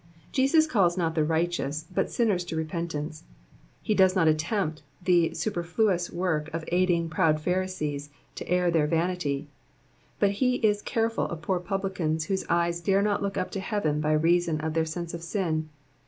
Jesus calls not the righteous, but sinners to repentance. lie does not attempt the superfluous work of aiding proud Pharisees to air their vanity ; but he is careful of poor Publicans whose eyes dare not look up to heaven by reason of their sense of sin.